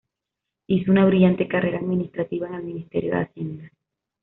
Hizo una brillante carrera administrativa en el ministerio de Hacienda.